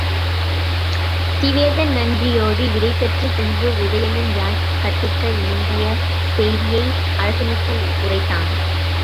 சிவேதன் நன்றியோடு விடைபெற்றுச் சென்று உதயணன் யாழ் கற்பிக்க இணங்கிய செய்தியை அரசனுக்கு உரைத்தான்.